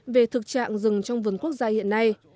về thực trạng rừng trong vườn quốc gia hiện nay